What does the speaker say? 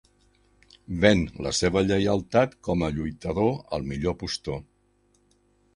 Ven la seva lleialtat com a lluitador al millor postor.